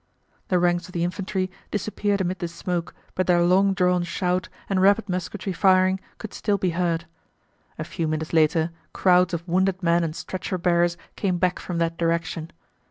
The ranks of the infantry disappeared amid the smoke but their long drawn shout and rapid musketry firing could still be heard. A few minutes later crowds of wounded men and stretcher bearers came back from that direction.